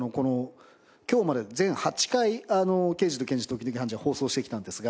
今日まで全８回『ケイジとケンジ、時々ハンジ。』は放送してきたんですが